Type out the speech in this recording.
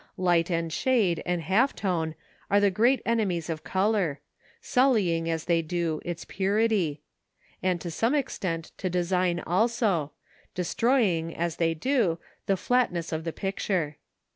Light and shade and half tone are the great enemies of colour, sullying, as they do, its purity; and to some extent to design also, destroying, as they do, the flatness of the picture.